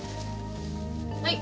はい。